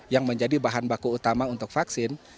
yang menjadi bahan baku utama untuk vaksin